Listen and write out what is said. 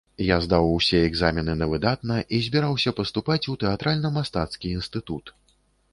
Я здаў усе экзамены на выдатна і збіраўся паступаць у тэатральна-мастацкі інстытут.